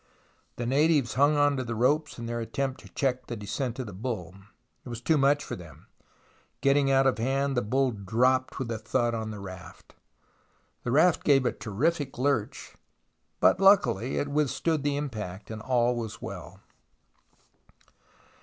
The natives hung on to the ropes in their attempt to check the descent of the bull. It was too much for them. Getting out of hand, the bull dropped with a thud on to the raft. The raft gave 144 THE ROMANCE OF EXCAVATION a terrific lurch, but luckily it withstood the impact, and all was well.